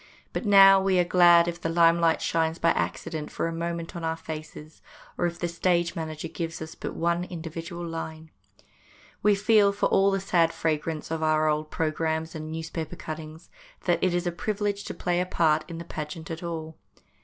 But now we are glad if the limelight shines by accident for a moment on our faces, or if the stage manager gives us but one individual line. We feel, for all the sad fragrance of our old programmes and newspaper cuttings, that it is a privilege to play a part in the pageant at all.